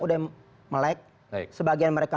sudah melek sebagian mereka